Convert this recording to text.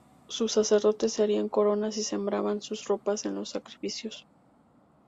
Sus sacerdotes se hacían coronas y sembraban sus ropas en los sacrificios.